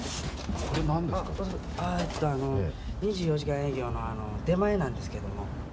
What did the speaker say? ２４時間営業の出前なんですけれども。